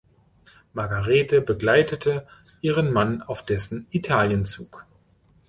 Margarete begleitete ihren Mann auf dessen Italienzug.